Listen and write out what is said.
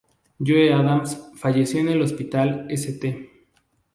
Joey Adams falleció en el Hospital St.